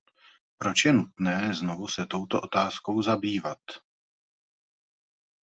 Proč je nutné znovu se touto otázkou zabývat?